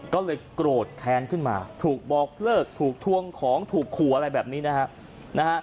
ก็เลยโกรธแค้นขึ้นมาถูกบอกเลิกถูกทวงของถูกขู่อะไรแบบนี้นะฮะ